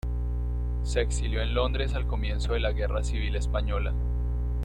Se exilió en Londres al comienzo de la Guerra Civil Española.